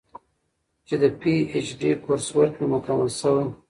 چې د پي اېچ ډي کورس ورک مې مکمل شوے